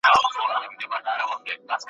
درته راوړمه به د پرخي نښتېځلي عطر !.